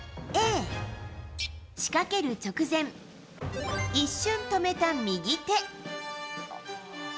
Ａ、仕掛ける直前、一瞬で止めた右手。